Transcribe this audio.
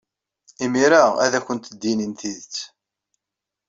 Imir-a ad awent-d-inin tidet.